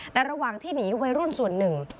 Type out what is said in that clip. แต่ระหว่างที่หนีวัยรุ่นส่วนหนึ่ง